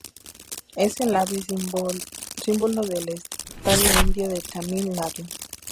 Es el ave símbolo del estado indio de Tamil Nadu.